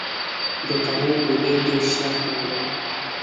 د تندور ډوډۍ ډېر ښه خوند لري.